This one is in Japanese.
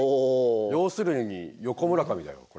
要するにヨコ村上だよこれ。